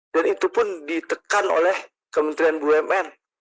dan itu pun ditekan oleh kementerian bumn